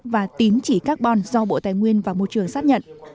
và tín chỉ carbon do bộ tài nguyên và môi trường xác nhận